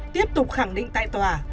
tiếp tục khẳng định tại tòa